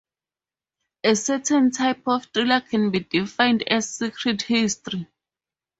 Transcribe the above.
A certain type of thriller can be defined as secret history.